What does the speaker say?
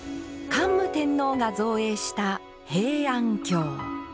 桓武天皇が造営した平安京。